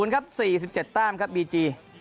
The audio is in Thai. ครับ๔๗แต้มครับบีจี